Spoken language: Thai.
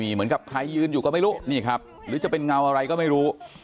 เหมือนกับใครยืนอยู่ก็ไม่รู้นี่ครับหรือจะเป็นเงาอะไรก็ไม่รู้